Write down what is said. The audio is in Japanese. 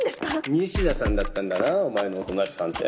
仁科さんだったんだなお前のお隣さんって。